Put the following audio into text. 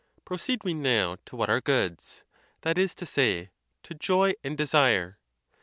Proceed we now to what are goods—that is to say, to joy and desire.